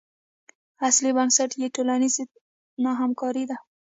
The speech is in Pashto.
اصلي بنسټ یې ټولنیزه نه همکاري ده.